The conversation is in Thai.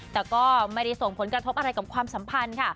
แต่ก็ไม่ได้ส่งผลกระทบอะไรกับความสัมพันธ์ค่ะ